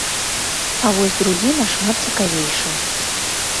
А вось другі нашмат цікавейшы.